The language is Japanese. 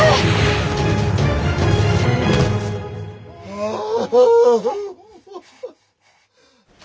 ああ！